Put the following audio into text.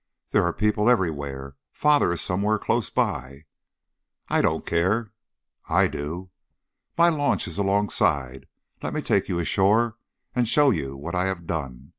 There are people everywhere. Father is somewhere close by." "I don't care " "I do." "My launch is alongside; let me take you ashore and show you what I have done.